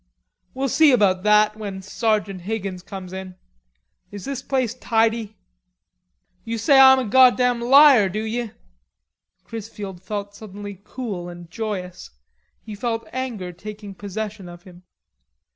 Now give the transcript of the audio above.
"We'll see about that when Sergeant Higgins comes in. Is this place tidy?" "You say Ah'm a goddamed liar, do ye?" Chrisfield felt suddenly cool and joyous. He felt anger taking possession of him.